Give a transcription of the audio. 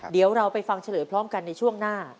เดี๋ยวเราไปฟังเฉลยพร้อมกันในช่วงหน้า